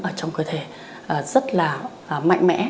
ở trong cơ thể rất là mạnh mẽ